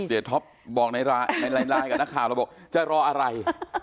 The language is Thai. เสียท็อปบอกในลายกับนักข่าวแล้วบอกจะรออะไร